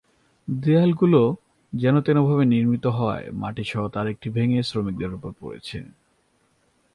দেয়ালগুলো যেনতেনভাবে নির্মিত হওয়ায় মাটিসহ তার একটি ভেঙে শ্রমিকদের ওপরে পড়েছে।